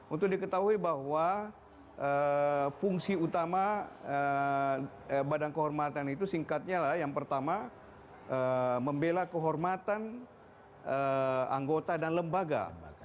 untuk diketahui bahwa fungsi utama badan kehormatan itu singkatnya lah yang pertama membela kehormatan anggota dan lembaga